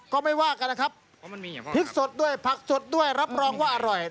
ก็ไม่ว่ากันนะครับพริกสดด้วยผักสดด้วยรับรองว่าอร่อย